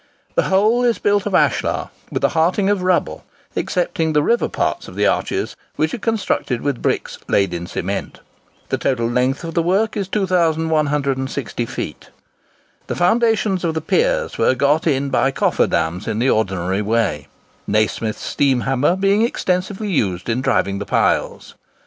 The whole is built of ashlar, with a hearting of rubble; excepting the river parts of the arches, which are constructed with bricks laid in cement. The total length of the work is 2160 feet. The foundations of the piers were got in by coffer dams in the ordinary way, Nasmyth's steam hammer being extensively used in driving the piles.